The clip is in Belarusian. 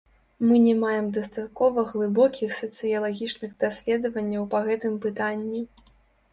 Мы не маем дастаткова глыбокіх сацыялагічных даследаванняў па гэтым пытанні.